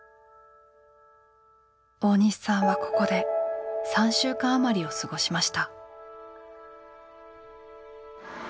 大西さんはここで３週間余りを過ごしました。